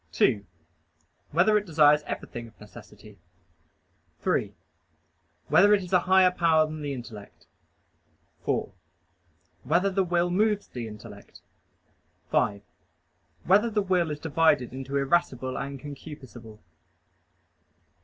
(2) Whether it desires everything of necessity? (3) Whether it is a higher power than the intellect? (4) Whether the will moves the intellect? (5) Whether the will is divided into irascible and concupiscible?